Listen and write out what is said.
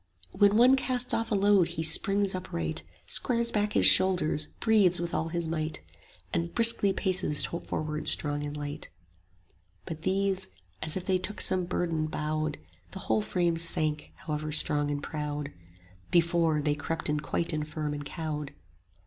When one casts off a load he springs upright, Squares back his shoulders, breathes will all his might, And briskly paces forward strong and light: 45 But these, as if they took some burden, bowed; The whole frame sank; however strong and proud Before, they crept in quite infirm and cowed.